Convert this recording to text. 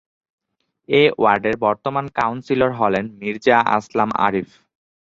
এ ওয়ার্ডের বর্তমান কাউন্সিলর হলেন মির্জা আসলাম আরিফ।